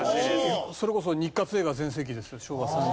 それこそ日活映画全盛期ですよ昭和３３年。